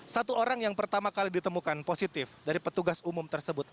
satu orang yang pertama kali ditemukan positif dari petugas umum tersebut